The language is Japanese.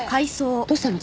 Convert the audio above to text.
どうしたの？